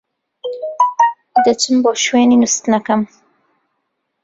دەچم بۆ شوێنی نوستنەکەم.